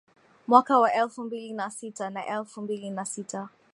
Mwaka wa elfu mbili na sita na elfu mbili na sita